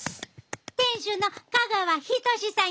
店主の香川仁志さんやで！